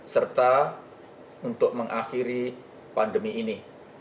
serta untuk mengakhiri pandemi ini